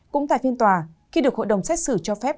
cũng tại phiên tòa khi được hội đồng xét xử cho phép